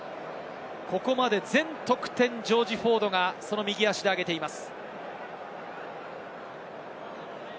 ここまで全得点、ジョージ・フォードがその右足で上げています。